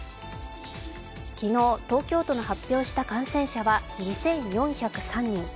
昨日、東京都の発表した感染者は２４０３人。